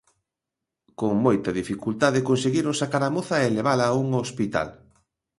Con moita dificultade conseguiron sacar a moza e levala a un hospital.